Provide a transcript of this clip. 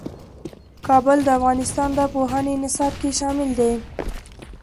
کابل د افغانستان د پوهنې نصاب کې شامل دي.